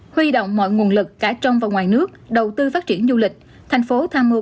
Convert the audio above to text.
huy động mọi nguồn lực cả trong và ngoài nước đầu tư phát triển du lịch thành phố tham mưu